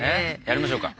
やりましょうか。